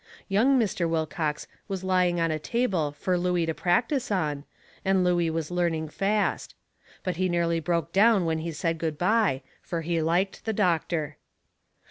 Young Mr. Wilcox was laying on a table fur Looey to practise on, and Looey was learning fast. But he nearly broke down when he said good bye, fur he liked the doctor.